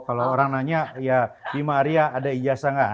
kalau orang nanya ya di maria ada ijazah nggak